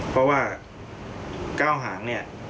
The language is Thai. เพราะว่าเก้าหาง